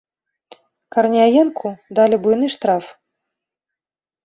Карняенку далі буйны штраф.